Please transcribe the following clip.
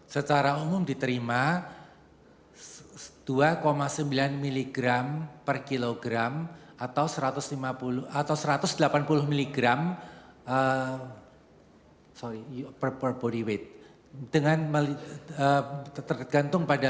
secara umum diterima dua sembilan mg per kilogram atau satu ratus delapan puluh mg per body weight